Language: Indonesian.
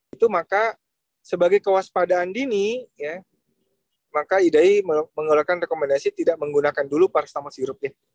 itu maka sebagai kewaspadaan dini ya maka idai mengeluarkan rekomendasi tidak menggunakan dulu paracetamol sirup ya